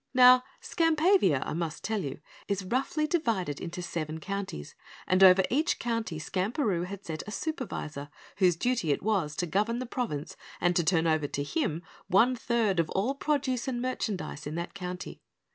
Now Skampavia, I must tell you, is roughly divided into seven counties, and over each county Skamperoo had set a Supervisor whose duty it was to govern the province and to turn over to him one third of all produce and merchandise in that county.